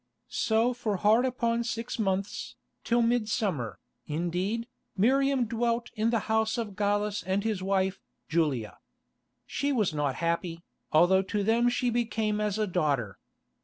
So for hard upon six months, till midsummer, indeed, Miriam dwelt in the house of Gallus and his wife, Julia. She was not happy, although to them she became as a daughter.